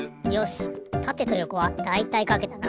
たてとよこはだいたいかけたな。